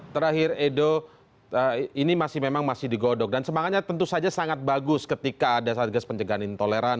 terakhir edo ini memang masih digodok dan semangatnya tentu saja sangat bagus ketika ada satgas pencegahan intoleran